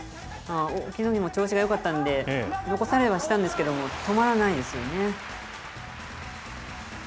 隠岐の海も調子がよかったんで、残されはしたんですけど、止まらないですよね。